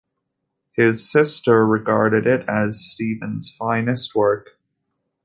His sister regarded it as Stephen's finest work.